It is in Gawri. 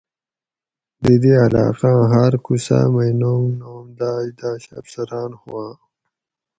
دی دی علاۤقاۤں ہاۤر کُوڅاۤ مئی نوم نوم داۤش داۤش افسراۤن ہُوآۤں